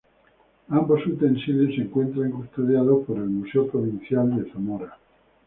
Ambos utensilios se encuentran custodiados por el Museo Provincial de Zamora.